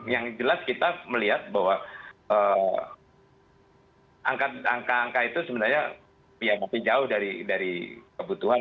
yang jelas kita melihat bahwa angka angka itu sebenarnya ya masih jauh dari kebutuhan